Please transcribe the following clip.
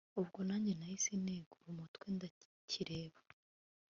ubwo nanjye nahise negura umutwe ndakireba